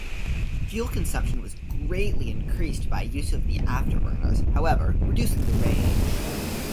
Fuel consumption was greatly increased by use of the afterburners, however, reducing the range.